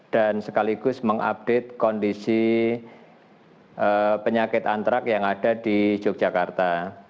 dan sekaligus mengupdate kondisi penyakit antrak yang ada di yogyakarta